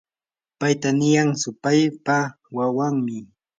payta niyan supaypa wawanmi.